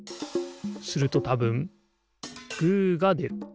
するとたぶんグーがでる。